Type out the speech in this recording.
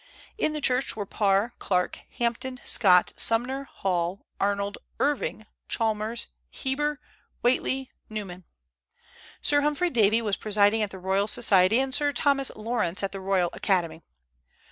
In the Church were Parr, Clarke, Hampden, Scott, Sumner, Hall, Arnold, Irving, Chalmers, Heber, Whately, Newman. Sir Humphry Davy was presiding at the Royal Society, and Sir Thomas Lawrence at the Royal Academy.